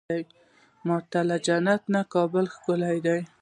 ما ته له جنته کابل ښکلی دی.